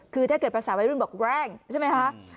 คือถ้าเกิดภาษาวัยรุ่นบอกแรงใช่ไหมคะ